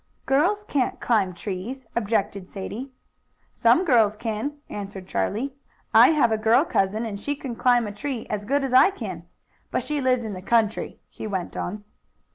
"Girls can't climb trees," objected Sadie. "Some girls can," answered Charlie. "I have a girl cousin, and she can climb a tree as good as I can. But she lives in the country," he went on.